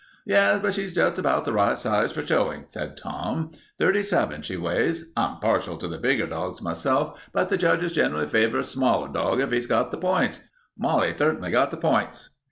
"Yes, but she's just about the right size for showing," said Tom. "Thirty seven she weighs. I'm partial to the bigger dogs, myself, but the judges generally favor a smaller dog if he's got the points. Molly's certainly got the points."